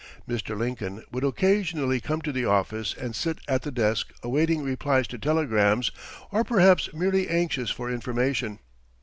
Mr. Lincoln would occasionally come to the office and sit at the desk awaiting replies to telegrams, or perhaps merely anxious for information.